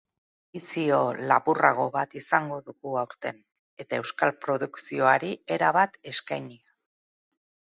Edizio laburrago bat izango dugu aurten, eta euskal produkzioari erabat eskainia.